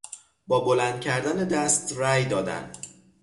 با بلند کردن دست رای دادن